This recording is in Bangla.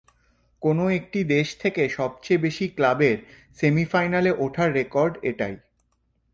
কোনো একটি দেশ থেকে সবচেয়ে বেশি ক্লাবের সেমিফাইনালে ওঠার রেকর্ড এটাই।